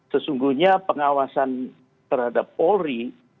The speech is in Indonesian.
sesungguhnya pengawasan terhadap polri